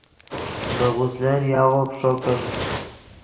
نے غسلن یاغو پیݯو کن